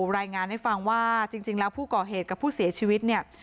รายงานให้ฟังว่าจริงแล้วผู้ก่อเหตุกับผู้เสียชีวิตเนี่ย